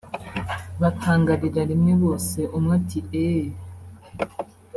Batangarira rimwe bose umwe ati “Ehhh